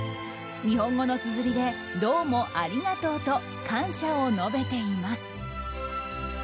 日本語のつづりで「どうもありがとう」と感謝を述べています。